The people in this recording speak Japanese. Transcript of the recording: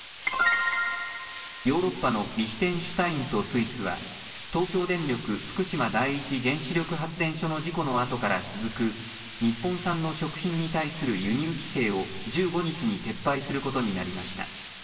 ヨーロッパのリヒテンシュタインとスイスは東京電力福島第一原子力発電所の事故のあとから続く日本産の食品に対する輸入規制を１５日に撤廃することになりました。